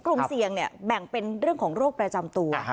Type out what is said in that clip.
กลุ่มเสี่ยงแบ่งเป็นเรื่องของโรคประจำตัว